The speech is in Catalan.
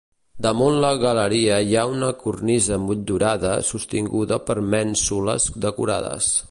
Damunt la galeria hi ha una cornisa motllurada sostinguda per mènsules decorades.